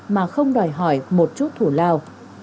mà không đòi hỏi một chút thủ lao